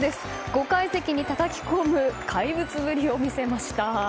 ５階席にたたき込む怪物ぶりを見せました。